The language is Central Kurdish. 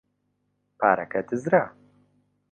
پارەکە دزرا.